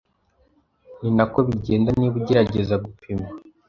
Ni nako bigenda niba ugerageza gupima